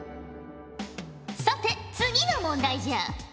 さて次の問題じゃ。